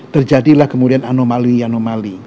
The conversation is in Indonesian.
terjadilah kemudian anomali anomali